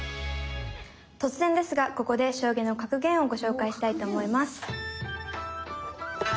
突然ですがここで将棋の格言をご紹介したいと思います。